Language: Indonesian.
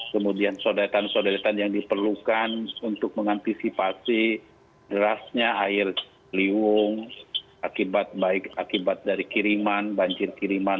kemudian sodetan sodetan yang diperlukan untuk mengantisipasi derasnya air liwung akibat baik akibat dari kiriman banjir kiriman